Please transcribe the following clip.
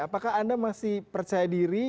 apakah anda masih percaya diri